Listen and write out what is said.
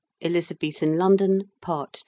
ELIZABETHAN LONDON. PART III.